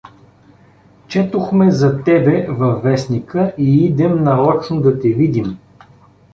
Четохме за тебе във вестника и идем нарочно да те видим.